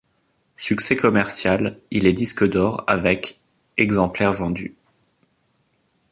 Succès commercial, il est disque d'or avec exemplaires vendus.